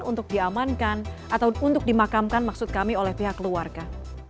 untuk diamankan atau untuk dimakamkan maksud kami oleh pihak keluarga